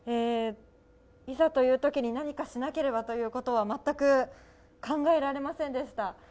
いざというときに何かしなければということは全く考えられませんでした。